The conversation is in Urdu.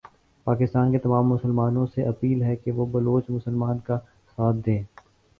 پاکستان کے تمام مسلمانوں سے اپیل ھے کہ وہ بلوچ مسلمان کا ساتھ دیں۔